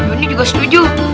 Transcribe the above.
dunia juga setuju